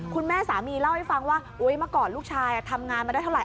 คุณแม่สามีเล่าให้ฟังว่าเมื่อก่อนลูกชายทำงานมาได้เท่าไห